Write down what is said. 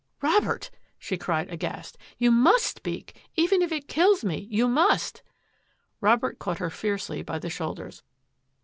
" Robert !" she cried aghast, " you must speak ! Even if it kills me, you must !" Robert caught her fiercely by the shoulders.